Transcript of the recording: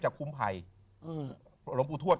จะคุ้มภัยหลมอุทวทธิ์